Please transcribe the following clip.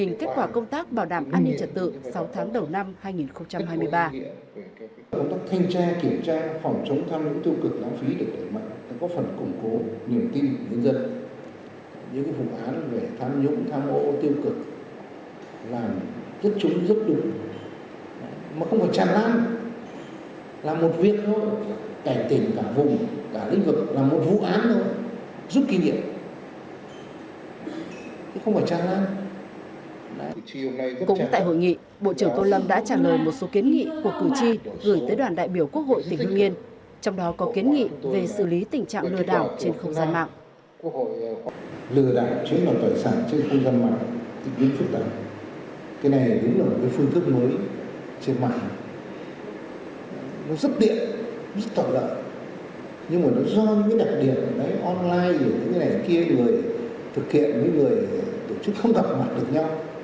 nó giúp điện giúp tạo lợi nhưng mà nó do những cái đặc điện online những cái này kia người thực hiện với người tổ chức không gặp mặt được nhau